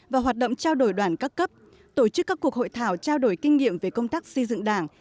và hoạt động trao đổi đoàn các cấp tổ chức các cuộc hội thảo trao đổi kinh nghiệm về công tác xây dựng đảng